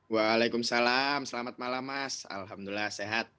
waalaikumsalam selamat malam mas alhamdulillah sehat